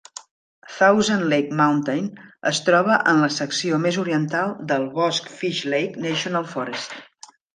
Thousand Lake Mountain es troba en la secció més oriental del bosc Fishlake National Forest.